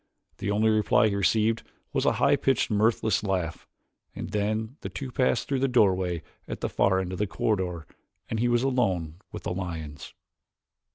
The only reply he received was a high pitched, mirthless laugh, and then the two passed through the doorway at the far end of the corridor and he was alone with the lions.